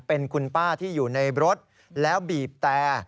เป็นคุณป้าที่อยู่ในรถแล้วบีบแต่